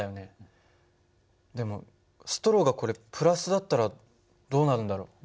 でもストローがこれだったらどうなるんだろう？